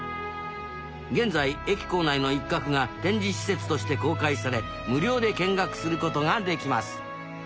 現在駅構内の一角が展示施設として公開され無料で見学する事ができます。